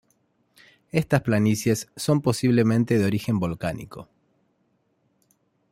Estas planicies son posiblemente de origen volcánico.